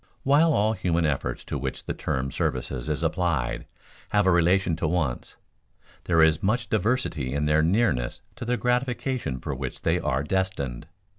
_ While all human efforts to which the term services is applied have a relation to wants, there is much diversity in their nearness to the gratification for which they are destined.